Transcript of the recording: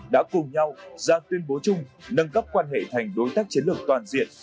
đã cùng nhau ra tuyên bố chung nâng cấp quan hệ thành đối tác chiến lược toàn diện